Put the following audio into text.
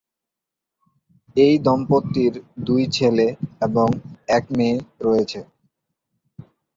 এই দম্পতির দুই ছেলে এবং এক মেয়ে রয়েছে।